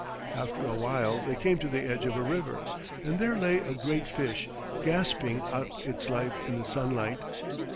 After a while they came to the edge of a river, and there lay a great fish, gasping out its life in the sunlight.